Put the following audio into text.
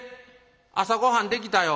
朝ごはんできたよ。